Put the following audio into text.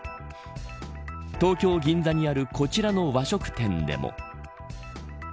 東京・銀座にあるこちらの和食店でも。